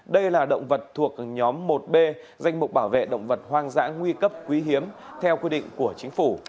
đây là động vật thuộc nhóm một b danh mục bảo vệ động vật hoang dã nguy cấp quý hiếm theo quy định của chính phủ